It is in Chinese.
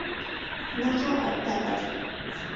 拉加尔代尔。